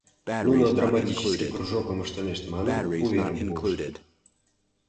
Нуно драматический кружокым ыштынешт манын, уверым пуышт.